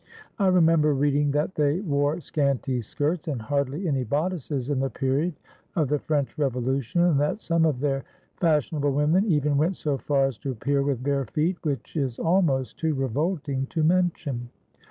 I remember reading that they wore scanty skirts and hardly any bodices in the period of the French Revolution, and that some of their fashion able women even went so far as to appear with bare feet, which is almost too revolting to mention.